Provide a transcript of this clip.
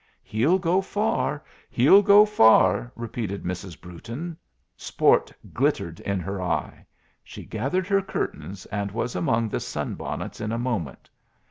"He'll go far! he'll go far!" repeated Mrs. Brewton. Sport glittered in her eye. She gathered her curtains, and was among the sun bonnets in a moment.